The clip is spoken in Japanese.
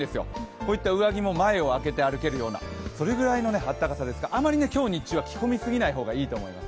こういった上着を前を開けて歩けるようなあったかさですが、あまり今日、日中は着込みすぎない方がいいと思います。